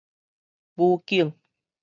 武警